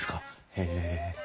へえ。